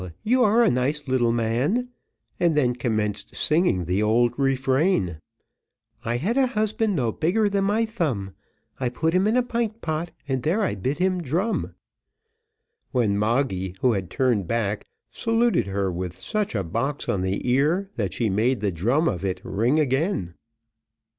you are a nice little man," and then commenced singing the old refrain "I had a little husband no bigger than my thumb, I put him in a pint pot, and there I bid him drum:" when Moggy, who had turned back, saluted her with such a box on the ear, that she made the drum of it ring again.